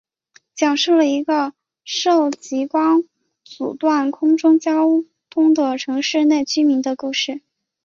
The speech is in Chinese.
讲述一个受极光阻断空中交通的城市内居民的故事。